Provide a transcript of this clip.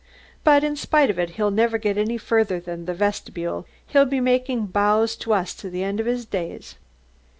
"But in spite of it, he'll never get any further than the vestibule; he'll be making bows to us to the end of his days."